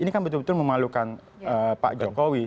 ini kan betul betul memalukan pak jokowi